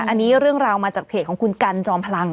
อันนี้เรื่องราวมาจากเพจของคุณกันจอมพลัง